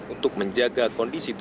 untuk menjaga kemampuan sepeda motor